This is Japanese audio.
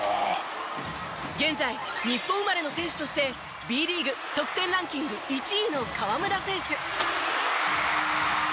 現在日本生まれの選手としてＢリーグ得点ランキング１位の河村選手。